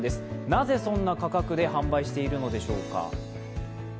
なぜ、そんな価格で販売しているのでしょうか。